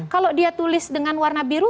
kalau dia tulis dengan warna biru